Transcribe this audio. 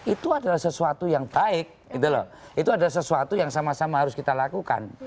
itu adalah sesuatu yang baik itu adalah sesuatu yang sama sama harus kita lakukan